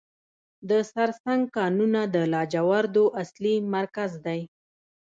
د سرسنګ کانونه د لاجوردو اصلي مرکز دی.